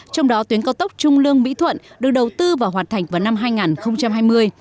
trong đó tuyến cao tốc trung lương mỹ thuận được đầu tư và hoạt thành vào năm hai nghìn hai mươi